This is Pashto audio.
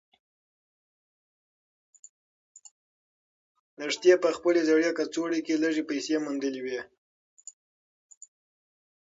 لښتې په خپلې زړې کڅوړې کې لږې پیسې موندلې وې.